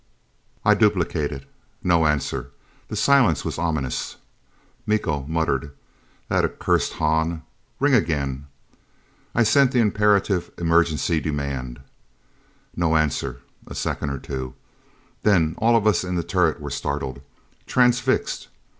I duplicated. No answer. The silence was ominous. Miko muttered, "That accursed Hahn. Ring again!" I sent the imperative emergency demand. No answer. A second or two. Then all of us in the turret were startled. Transfixed.